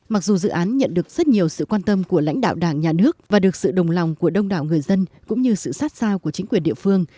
mặc dù dự án nhận được rất nhiều sự quan tâm của lãnh đạo đảng nhà nước và được sự đồng lòng của đông đảo người dân cũng như sự sát sao của chính quyền địa phương